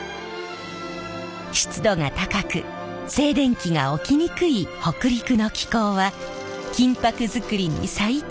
湿度が高く静電気が起きにくい北陸の気候は金箔作りに最適。